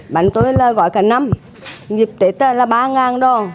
bánh tuối là gói cả năm nhịp tét là ba ngàn đồ